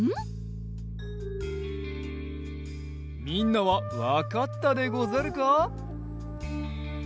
みんなはわかったでござるか？